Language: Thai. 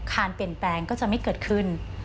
การเปลี่ยนแปลงก็จะไม่เกิดขึ้น